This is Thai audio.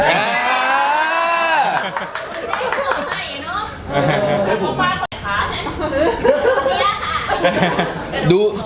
ทุกวันนี้ก็ดูศีลลองยังไม่มีผู้ไฟครับ